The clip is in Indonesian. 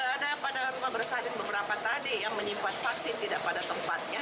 ada pada rumah bersah dan beberapa tadi yang menyimpan vaksin tidak pada tempatnya